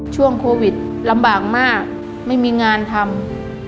ช่วงโควิดลำบากมากไม่มีงานทำ